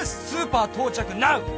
「スーパー到着ナウ」